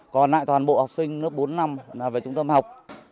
còn lại toàn bộ học sinh lớp bốn năm là về trung tâm học